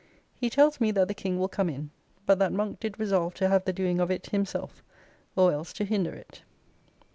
He tells me that the King will come in, but that Monk did resolve to have the doing of it himself, or else to hinder it.